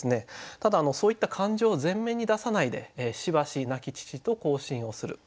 ただそういった感情を前面に出さないで「しばし亡父と交信をする」